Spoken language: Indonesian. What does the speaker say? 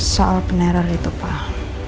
soal peneror itu pak